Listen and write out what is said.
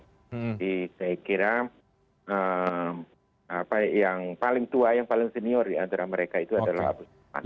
jadi saya kira yang paling tua yang paling senior di antara mereka itu adalah abu salman